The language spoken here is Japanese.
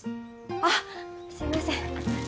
あっすいません。